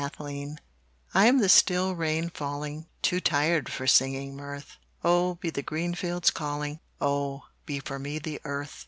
Moods I am the still rain falling, Too tired for singing mirth Oh, be the green fields calling, Oh, be for me the earth!